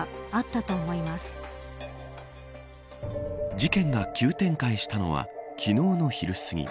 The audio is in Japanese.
事件が急展開したのは昨日の昼すぎ。